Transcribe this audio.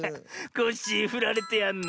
コッシーふられてやんの。